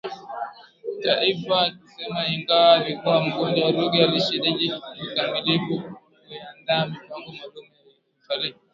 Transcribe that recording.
Taifa akisema ingawa alikuwa mgonjwa Ruge alishiriki kikamilifu kuiandaa mpango maalumu ya utalii